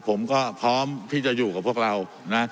ผมก็พร้อมที่จะอยู่กับพวกเรานะ